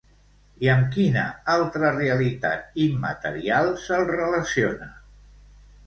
I amb quina altra realitat immaterial se'l relaciona?